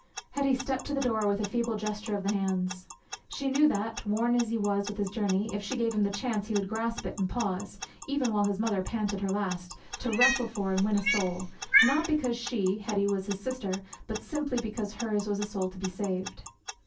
'Hetty stepped to the door with a feeble gesture of the hands. She knew that, worn as he was with his journey, if she gave him the chance he would grasp it and pause, even while his mother panted her last, to wrestle for and win a soul not because she, Hetty, was his sister, but simply because hers was a soul to be saved.